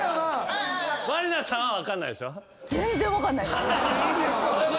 満里奈さんは分かんないでしょ？